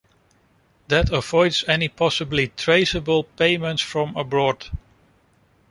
That avoids any possibly traceable payments from abroad.